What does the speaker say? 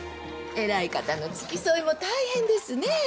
偉い方の付き添いも大変ですねえ。